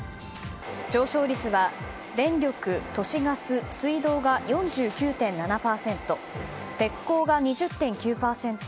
上昇率は電力・都市ガス・水道が４９．７％鉄鋼が２０．９％